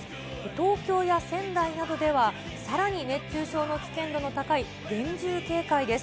東京や仙台などでは、さらに熱中症の危険度の高い厳重警戒です。